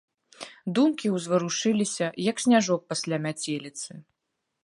Думкі ўзварушыліся, як сняжок пасля мяцеліцы.